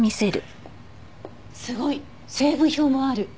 すごい！成分表もある。